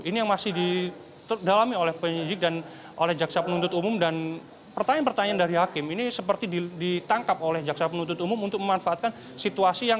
ini yang masih didalami oleh penyidik dan oleh jaksa penuntut umum dan pertanyaan pertanyaan dari hakim ini seperti ditangkap oleh jaksa penuntut umum untuk memanfaatkan situasi yang